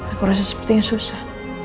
aku rasa sepertinya susah